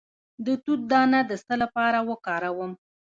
د توت دانه د څه لپاره وکاروم؟